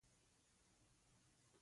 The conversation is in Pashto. ورور سره وخت تېرول خوږ وي.